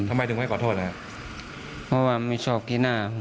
ทำไมถึงไม่ขอโทษอ่ะเพราะว่ามันไม่ชอบกินหน้าครับอ๋อเนอะ